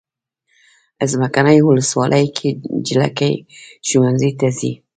څمکنیو ولسوالۍ کې جلکې ښوونځی ته ځي.